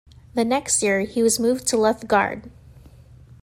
The next year, he was moved to left guard.